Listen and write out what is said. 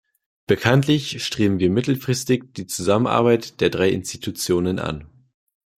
Bekanntlich streben wir mittelfristig die Zusammenarbeit der drei Institutionen an.